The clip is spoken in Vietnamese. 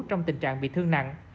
trong tình trạng bị thương nặng